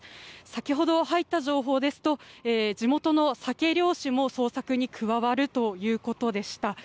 先ほど入った情報ですと地元のサケ漁師も捜索に加わるということでした。